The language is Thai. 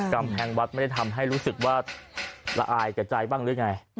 กำแพงวัดไม่ได้ทำให้รู้สึกว่าละอายแก่ใจบ้างหรือไง